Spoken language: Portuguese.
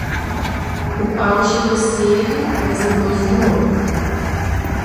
O Paulo chegou cedo, mas depois do João.